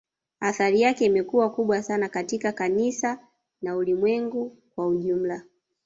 Athari yake imekuwa kubwa sana katika kanisa na Ulimwengu kwa jumla